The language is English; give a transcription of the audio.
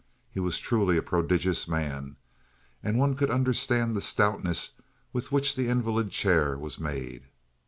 He was truly a prodigious man, and one could understand the stoutness with which the invalid chair was made.